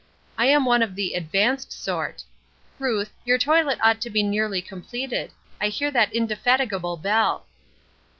I am one of the 'advanced' sort. Ruth, your toilet ought to be nearly completed; I hear that indefatigable bell."